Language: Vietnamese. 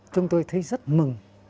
chúng tôi thấy rất mừng